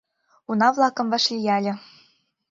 Уна-влакым вашлияле;